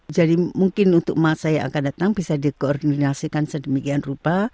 mungkin untuk masa yang akan datang bisa dikoordinasikan sedemikian rupa